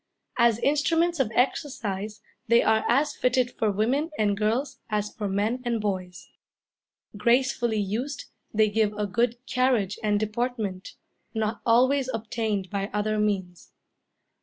As instruments of exercise they are as fitted for women and girls as for men and boys. Gracefully used, they give a good carriage and deportment, not always obtained by other means.